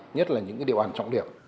nhất là những địa bàn trọng điểm